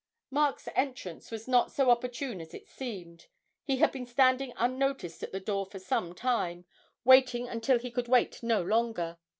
Mark's entrance was not so opportune as it seemed; he had been standing unnoticed at the door for some time, waiting until he could wait no longer.